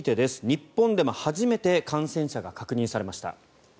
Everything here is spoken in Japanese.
日本でも初めて感染者が確認されました。